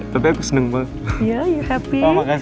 tapi aku seneng banget